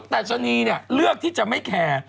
แต่ชนนี่เลือกที่จะไม่แคร์